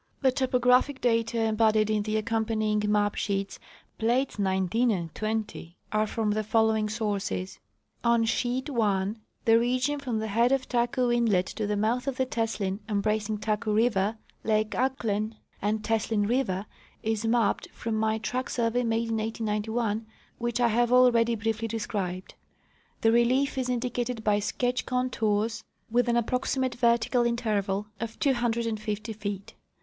The topographic data embodied in the accompanying ma}) sheets (plates 19 and 20) are from the following sources : On sheet i the region from the head of Taku inlet to the mouth of the Teslin, embracing Taku river, lake Ahklen, and Teslin river, is mapped from my track survey made in 1891, which I have already briefly described. The relief is indicated by sketch contours with an approximate vertical interval of 250 feet.